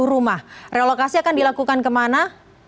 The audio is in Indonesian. tiga puluh rumah relokasi akan dilakukan ke mana